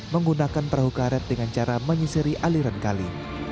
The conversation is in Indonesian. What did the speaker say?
menggunakan perahu karet dengan cara menyisiri aliran kali